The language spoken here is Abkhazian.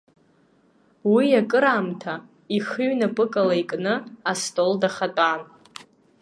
Уи акыраамҭа ихы ҩнапыкла икны астол дахатәан.